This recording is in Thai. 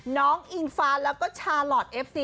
น้องอิงฟานและชาลอทเอฟซี